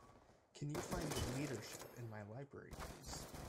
can you find Leadership in my library, please?